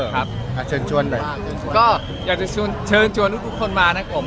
ครับอ่าเชิญชวนด้วยก็อยากจะชวนเชิญชวนทุกคนมานะครับผม